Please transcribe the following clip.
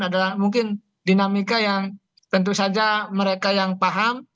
adalah mungkin dinamika yang tentu saja mereka yang paham